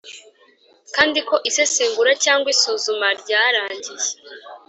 kandi ko isesengura cyangwa isuzuma ryarangiye.